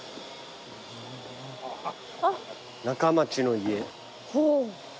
仲町の家。